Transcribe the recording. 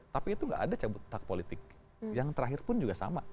tapi itu nggak ada cabut tak politik yang terakhir pun juga sama